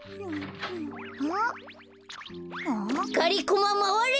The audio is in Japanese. がりコマまわれ！